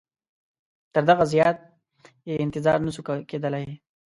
تر دغه زیات یې انتظار نه سو کېدلای.